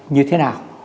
như thế nào